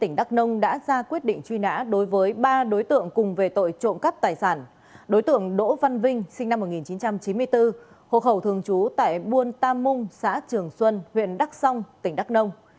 hộ khẩu thường trú tại buôn tam mung xã trường xuân huyện đắc song tỉnh đắc nông